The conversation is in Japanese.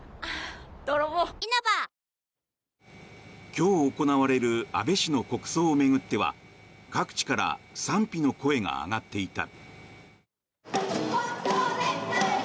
今日行われる安倍氏の国葬を巡っては各地から賛否の声が上がっていた。